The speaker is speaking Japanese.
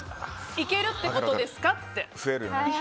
いけるってことですかって。